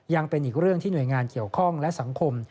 ยังเป็นอีกเรื่องที่หน่วยงานเกี่ยวข้องและสังคม